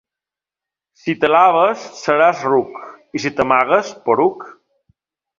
Si t'alabes, seràs ruc i, si t'amagues, poruc.